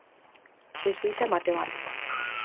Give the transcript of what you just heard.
Xesuíta e matemático.